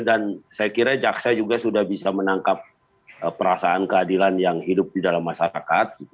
dan saya kira jaksa juga sudah bisa menangkap perasaan keadilan yang hidup di dalam masyarakat